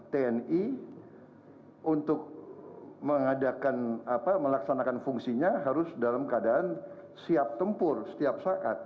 tni untuk melaksanakan fungsinya harus dalam keadaan siap tempur setiap saat